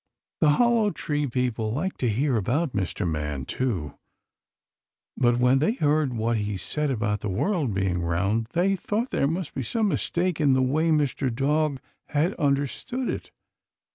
The Hollow Tree people liked to hear about Mr. Man, too; but when they heard what he said about the world being round they thought there must be some mistake in the way Mr. Dog had understood it.